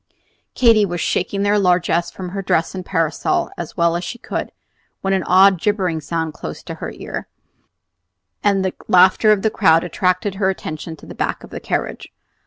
Katy was shaking their largesse from her dress and parasol as well as she could, when an odd gibbering sound close to her ear, and the laughter of the crowd attracted her attention to the back of the carriage.